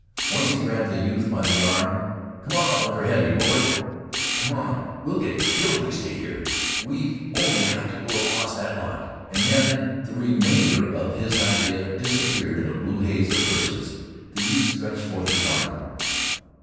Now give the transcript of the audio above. Once he grabbed the youth by the arm. "Come on, yeh lunkhead!" he roared. "Come on! We'll all git killed if we stay here. We've on'y got t' go across that lot. An' then" the remainder of his idea disappeared in a blue haze of curses. The youth stretched forth his arm.